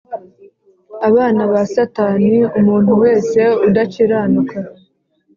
abana ba Satani Umuntu wese udakiranuka